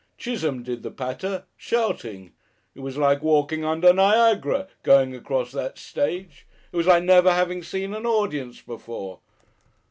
Chisholme did the patter. Shouting! It was like walking under Niagara going across that stage. It was like never having seen an audience before....